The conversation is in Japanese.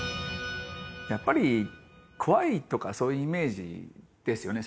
やっぱり怖いとかそういうイメージですよね？